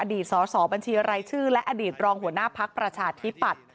อดีตสสบัญชีรายชื่อและอดีตรองหัวหน้าภักดิ์ประชาธิบัตร